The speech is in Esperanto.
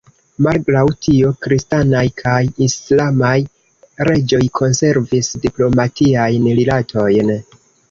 Malgraŭ tio, kristanaj kaj islamaj reĝoj konservis diplomatiajn rilatojn.